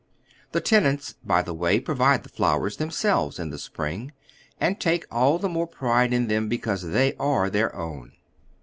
The tenants, by the way, provide the flowers themselves in the spring, and take all the more pride in them because they are their own.